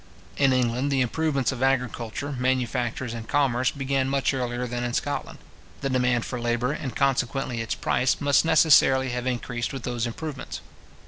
In England, the improvements of agriculture, manufactures, and commerce, began much earlier than in Scotland. The demand for labour, and consequently its price, must necessarily have increased with those improvements.